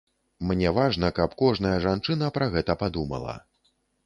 Мне важна, каб кожная жанчына пра гэта падумала.